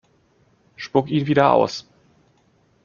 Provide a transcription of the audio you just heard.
Spuck ihn wieder aus!